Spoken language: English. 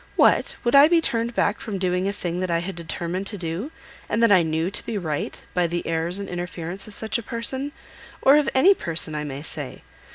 What! would I be turned back from doing a thing that I had determined to do, and that I knew to be right, by the airs and interference of such a person, or of any person I may say?